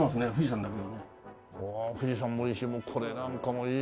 富士山もいいしこれなんかもいい。